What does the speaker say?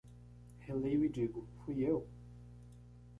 Releio e digo: "Fui eu?"